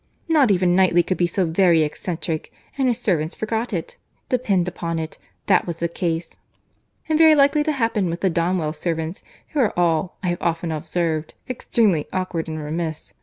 —Not even Knightley could be so very eccentric;—and his servants forgot it. Depend upon it, that was the case: and very likely to happen with the Donwell servants, who are all, I have often observed, extremely awkward and remiss.